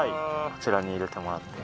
こちらに入れてもらって。